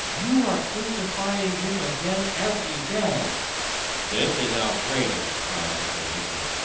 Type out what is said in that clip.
You are crucifying Him again every day!" "This is outrageous!" cried Mr. Hickman.